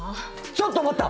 ちょっと待った！